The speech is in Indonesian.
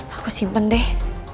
aku simpen deh